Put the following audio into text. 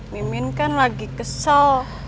mimin kan lagi kesel